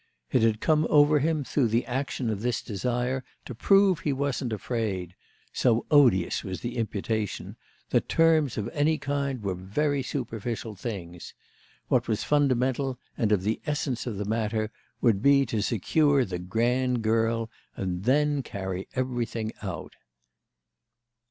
It had come over him through the action of this desire to prove he wasn't afraid—so odious was the imputation—that terms of any kind were very superficial things. What was fundamental and of the essence of the matter would be to secure the grand girl and then carry everything out.